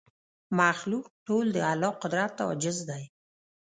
مخلوق ټول د الله قدرت ته عاجز دی